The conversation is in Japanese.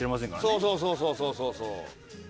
そうそうそうそうそうそうそう。